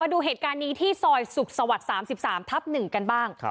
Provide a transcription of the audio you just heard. ดูเหตุการณ์นี้ที่ซอยสุขสวรรค์๓๓ทับ๑กันบ้าง